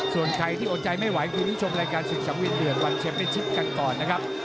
ส่วนใครที่อดใจไม่ไหวคือที่ชมรายการศึกสังเวียนเดือดวันแชมเป็นชิปกันก่อนนะครับ